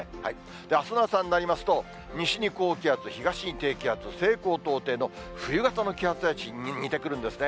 あすの朝になりますと、西に高気圧、東に低気圧、西高東低の冬型の気圧配置に似てくるんですね。